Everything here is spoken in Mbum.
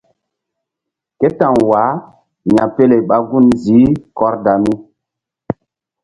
Ké ta̧w wah ya̧pele ɓa gun ziih Kordami.